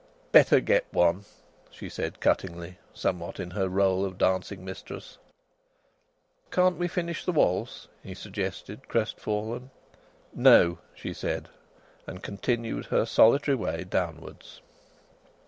"Better get one," she said cuttingly, somewhat in her rôle of dancing mistress. "Can't we finish the waltz?" he suggested, crestfallen. "No!" she said, and continued her solitary way downwards.